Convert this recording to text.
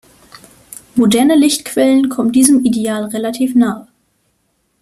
Moderne Lichtquellen kommen diesem Ideal relativ nahe.